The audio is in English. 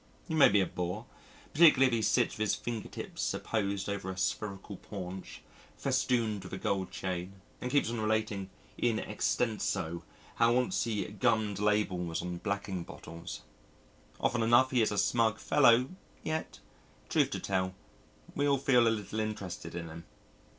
He may be a bore particularly if he sits with his finger tips apposed over a spherical paunch, festooned with a gold chain, and keeps on relating in extenso how once he gummed labels on blacking bottles. Often enough he is a smug fellow, yet, truth to tell, we all feel a little interested in him.